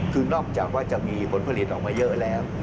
คือนอกจากว่าจะมีผลผลิตออกมาเยอะแล้ว